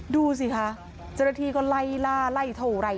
ดูสิคะเจ้าหน้าที่ก็ไล่ล่าไล่เท่าไหร่